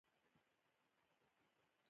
ایا زه باید په اوبو وګرځم؟